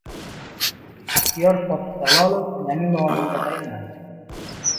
Aktyor Fotih Jalolov yangi lavozimga tayinlandi